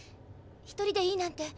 「一人でいい」なんて。